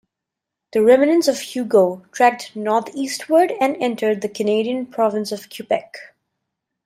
The remnants of Hugo tracked northeastward and entered the Canadian province of Quebec.